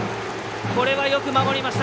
これはよく守りました。